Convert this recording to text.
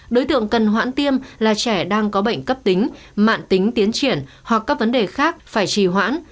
đối tượng cần hoãn tiêm là trẻ đang có bệnh cấp tính mạng tính tiến triển hoặc các vấn đề khác phải trì hoãn